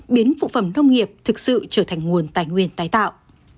biến phụ phẩm nông nghiệp thực sự trở thành nguồn tài nguyên tái tạo